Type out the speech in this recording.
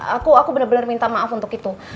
aku bener bener minta maaf untuk itu